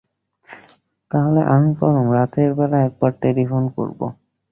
তাহলে আমি বরং রাতের বেলা একবার টেলিফোন করব।